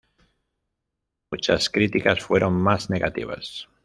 Muchas críticas fueron más negativas.